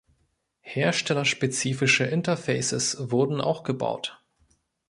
Herstellerspezifische Interfaces wurden auch gebaut.